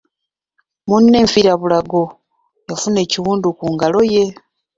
Munne enfiirabulago, yafuna ekiwundu ku ngalo ye.